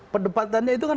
perdebatannya itu kan